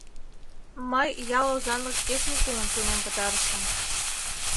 — Мый ял озанлык техникумым тунем пытарышым.